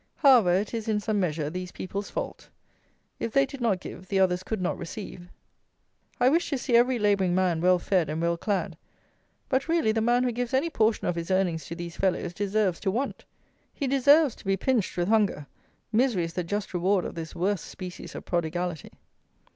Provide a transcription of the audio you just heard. However, it is, in some measure, these people's fault. If they did not give, the others could not receive. I wish to see every labouring man well fed and well clad; but, really, the man who gives any portion of his earnings to these fellows deserves to want: he deserves to be pinched with hunger: misery is the just reward of this worst species of prodigality.